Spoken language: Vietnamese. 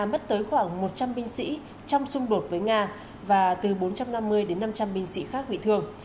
mất tới khoảng một trăm linh binh sĩ trong xung đột với nga và từ bốn trăm năm mươi đến năm trăm linh binh sĩ khác bị thương